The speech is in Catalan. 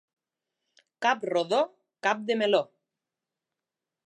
Cap rodó, cap de meló.